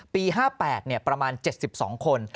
ปี๕๘ประมาณ๗๒คน